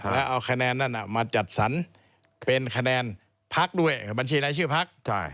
แล้วเอาคะแนนนั้นมาจัดสรรเป็นคะแนนพักด้วยบัญชีรายชื่อพัก